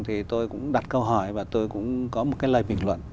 thì tôi cũng đặt câu hỏi và tôi cũng có một cái lời bình luận